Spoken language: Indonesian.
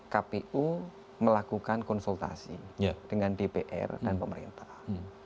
kpu melakukan konsultasi dengan dpr dan pemerintah